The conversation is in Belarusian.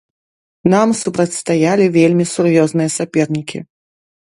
Нам супрацьстаялі вельмі сур'ёзныя сапернікі.